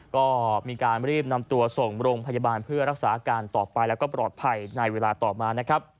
ก็มีการรีบนำตัวส่งโรงพยาบาลเพื่อรักษาอาการต่อไปแล้วก็ปลอดภัยในเวลาต่อมานะครับ